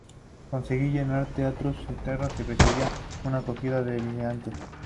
Conseguía llenar teatros enteros y recibía una acogida delirante.